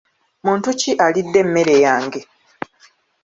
Muntu ki alidde emmere yange?